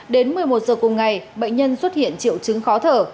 đến một mươi một giờ cùng ngày bệnh nhân xuất hiện triệu chứng khó thở